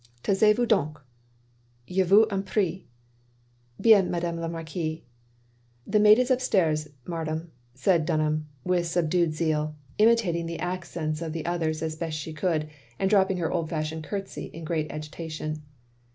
"Taisez vous done, je vous en prie." " Bien, Madame la Marquise. " "The maid is upstairs, muddarm," said Dun ham, with subdued zeal; imitating the accents of 340 THE LONELY LADY the others as best she could, and dropping her old fashioned ctirtsey in great agitation.